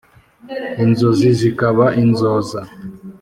Inzozi zikaba inzoza